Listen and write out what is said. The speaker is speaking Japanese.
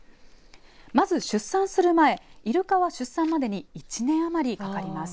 まず出産する前、いるかは出産までに１年余りかかります。